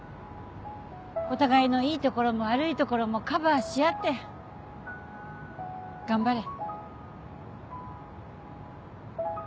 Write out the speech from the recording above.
お互いのいいところも悪いところもカバーし合って頑張れ。